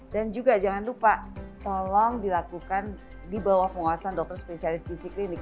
dan juga jangan lupa tolong dilakukan di bawah penguasaan dr spesialis gizi klinik